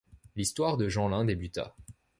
L'histoire de la Jenlain débuta.